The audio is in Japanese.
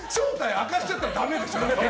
明かしちゃったらダメでしょ。